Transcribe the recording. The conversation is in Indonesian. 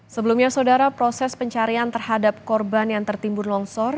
sebelumnya saudara proses pencarian terhadap korban yang tertimbun longsor